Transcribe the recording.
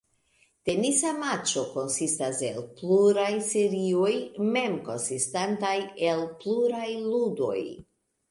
Tenisa matĉo konsistas el pluraj serioj, mem konsistantaj el pluraj ludoj.